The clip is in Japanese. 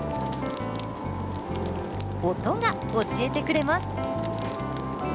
音が教えてくれます。